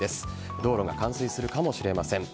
道路が冠水するかもしれません。